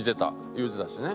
言うてたしね。